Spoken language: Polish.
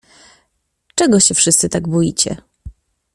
"Czego się wszyscy tak boicie!"